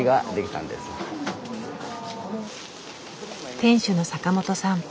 店主の坂元さん。